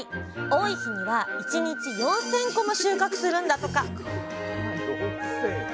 多い日には１日４，０００個も収穫するんだとか！